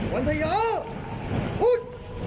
วันทะเยอร์อุด